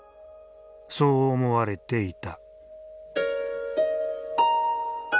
そう思われていた。